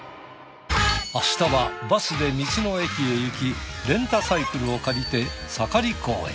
明日はバスで道の駅へ行きレンタサイクルを借りて盛港へ。